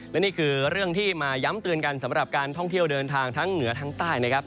และนี่คือเรื่องที่มาย้ำเตือนกันสำหรับการท่องเที่ยวเดินทางทั้งเหนือทั้งใต้นะครับ